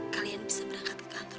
kalian bisa berangkat ke kantor